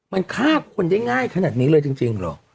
มันฆ่าคนได้ง่ายขนาดนี้เลยจริงเหรอ